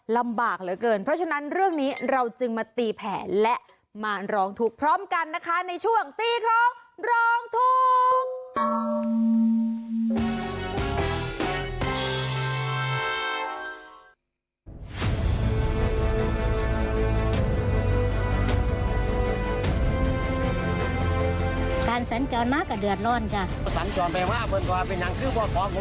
ลำบากเหลือเกินเพราะฉะนั้นเรื่องนี้เราจึงมาตีแผนและมาร้องถูกพร้อมกันนะคะในช่วงตีของร้องทุกข์